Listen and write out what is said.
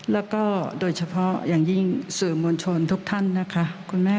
แล้วก็โดยเฉพาะอย่างยิ่งสื่อวงชนทุกท่านนะคะขอประคุณด้วย